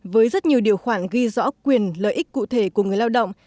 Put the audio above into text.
với rất nhiều điều khoản ghi rõ quyền lợi ích cụ thể của người lao động